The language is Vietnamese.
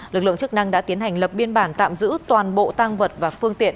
lực lượng chức năng đã tiến hành lập biên bản tạm giữ toàn bộ tăng vật và phương tiện